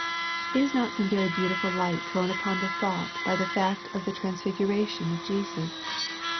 Is not some very beautiful light thrown upon the thought by the fact of the transfig uration of Jesus?